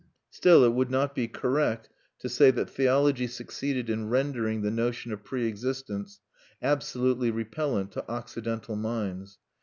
Still, it would not be correct to say that theology succeeded in rendering the notion of pre existence absolutely repellent to Occidental minds.